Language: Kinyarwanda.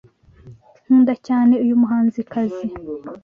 Nkunda cyane uyu muhanzikazi.